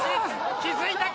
気付いたか？